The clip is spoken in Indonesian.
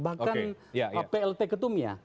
bahkan plt ketumnya